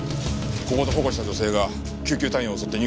ここで保護した女性が救急隊員を襲って逃げた。